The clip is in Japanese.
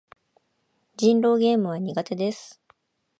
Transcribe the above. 人狼ゲームは苦手です。